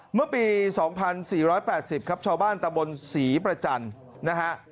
เมื่อปี๒๔๘๐ครับชาวบ้านตะบนศรีประจันทร์นะฮะ